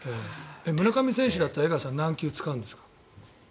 村上選手だったら江川さんは何球使うんですか？